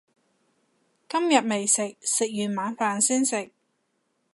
今日未食，食完晚飯先食